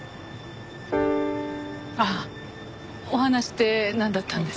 ああお話ってなんだったんですか？